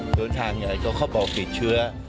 สวนทางนี้เขาบอกติดเชื้อ